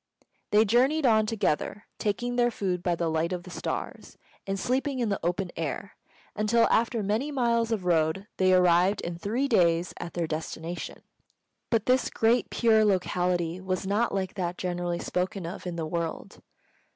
They journeyed on together, taking their food by the light of the stars, and sleeping in the open air, until, after many miles of road, they arrived in three days at their destination. But this Great Pure locality was not like that generally spoken of in the world.